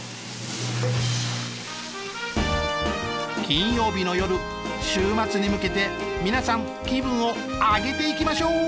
金曜日の夜週末に向けて皆さん気分を上げていきましょう！